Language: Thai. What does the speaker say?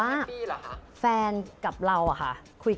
อุบลอุบาย